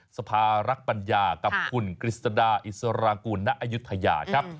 สภารักปัญญากับคุณกฤษดาอิสรางกูลณอายุทยาครับ